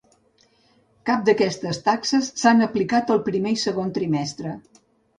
Cap d'aquestes taxes s'han aplicat al primer i segon trimestre.